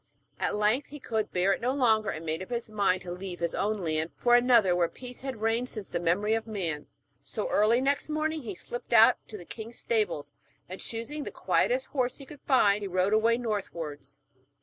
At length he could bear it no longer, and made up his mind to leave his own land for another where peace had reigned since the memory of man. So, early next morning, he slipped out to the king's stables, and choosing the quietest horse he could find, he rode away northwards.